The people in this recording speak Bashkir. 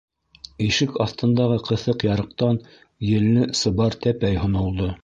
Ишек аҫтындағы ҡыҫыҡ ярыҡтан... елле сыбар тәпәй һонолдо!